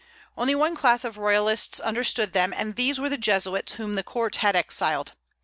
Only one class of royalists understood them, and these were the Jesuits whom the court had exiled.